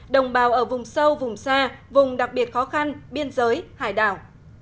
đồng bào ở vùng sâu vùng xa vùng đặc biệt khó khăn biên giới hải đảo